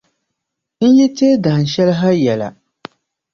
N yi teei dahin shɛli ha yɛla.